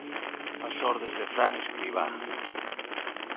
Ás ordes de Fran Escribá.